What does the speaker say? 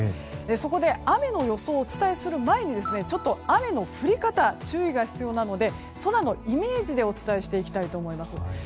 そこで雨の予想をお伝えする前に雨の降り方、注意が必要なので空のイメージでお伝えしていきたいと思います。